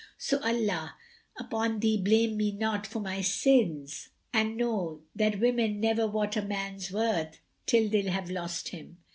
[FN#170] So, Allah upon thee blame me not for my sins and know that women never wot a man's worth till they have lost him.